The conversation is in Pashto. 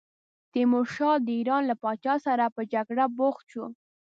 تیمورشاه د ایران له پاچا سره په جګړه بوخت شو.